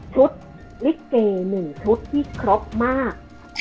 ชุดลิสเกหนึ่งชุดที่ครบมาก